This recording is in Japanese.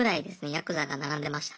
ヤクザが並んでました。